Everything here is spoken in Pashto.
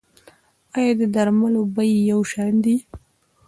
آیا د درملو بیې یو شان دي؟